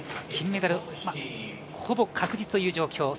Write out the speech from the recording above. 金メダルほぼ確実という状況。